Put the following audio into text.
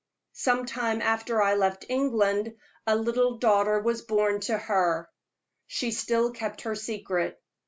"Some time after I left England a little daughter was born to her. She still kept her secret.